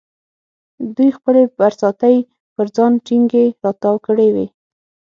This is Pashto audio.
دوی خپلې برساتۍ پر ځان ټینګې را تاو کړې وې.